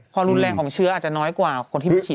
ความรุนแรงของเชื้ออาจจะน้อยกว่าคนที่ไปฉีด